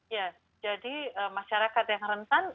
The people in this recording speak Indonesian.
ya jadi masyarakat yang rentan